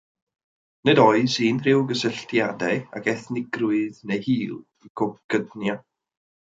Nid oes unrhyw gysylltiadau ag ethnigrwydd neu hil i coccydnia.